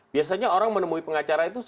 biasanya orang menemui pengacara itu